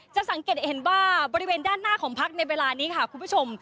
สังเกตเห็นว่าบริเวณด้านหน้าของพักในเวลานี้ค่ะคุณผู้ชม